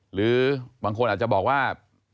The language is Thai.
หรือบางคนอาจจะบอกว่า